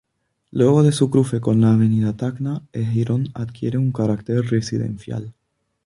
Luego de su cruce con la Avenida Tacna el jirón adquiere un caracter residencial.